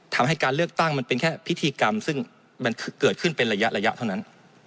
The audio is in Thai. ทำให้การเลือกตั้งมันเป็นแค่พิธีกรรมซึ่งมันเกิดขึ้นเป็นระยะเท่านั้น